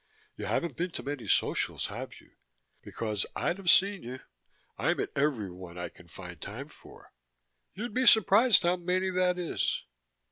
"You haven't been to many Socials, have you? Because I'd have seen you I'm at every one I can find time for. You'd be surprised how many that is.